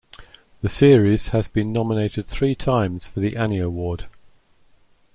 The series has been nominated three times for the Annie Award.